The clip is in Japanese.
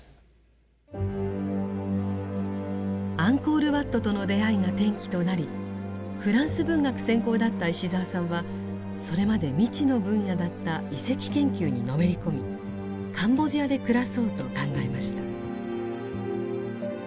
アンコール・ワットとの出会いが転機となりフランス文学専攻だった石澤さんはそれまで未知の分野だった遺跡研究にのめり込みカンボジアで暮らそうと考えました。